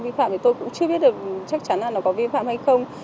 vi phạm thì tôi cũng chưa biết được chắc chắn là nó có vi phạm hay không